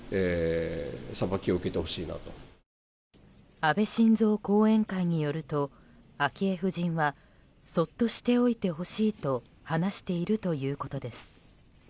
安倍晋三後援会によると昭恵夫人はそっとしておいてほしいと話しているということです。